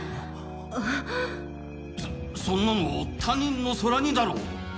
そそんなの他人の空似だろ！